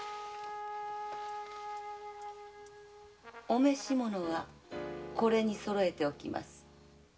お召し物はこれにそろえておきます。